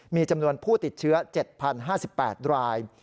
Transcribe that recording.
มีจำนวนผู้ติดเชื้อ๗๐๕๘ราย